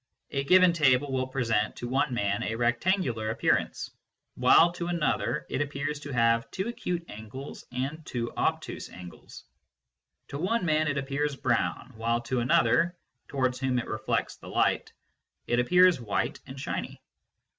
A given table will present to one man a rectangular appearance, while to another it appears to have two acute angles and two obtuse angles ; to one man it appears brown, while to another, towards whom it reflects the light, it appears white and shiny.